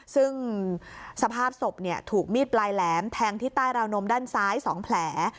ซึ่งสภาพศพถูกมีดปลายแหลมแทงที่ใต้ราวนมด้านซ้าย๒แผล